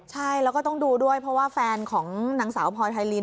ใช่แล้วก็ต้องดูด้วยเพราะว่าแฟนของนางสาวพลอยไพริน